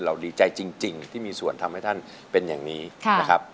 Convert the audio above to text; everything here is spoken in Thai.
ดีใจจริงที่มีส่วนทำให้ท่านเป็นอย่างนี้นะครับ